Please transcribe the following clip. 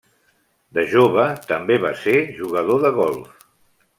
De jove també va ser jugador de golf.